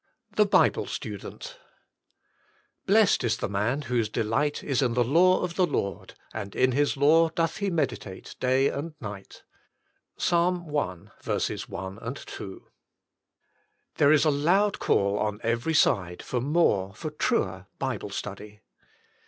XX THE BIBLE STUDENT " Blessed is the man whose delight is in the law of the Lord; and in His law doth he meditate day and night"— Ps. i. 1, 2. There is a loud call on every side for more, for truer, Bible study.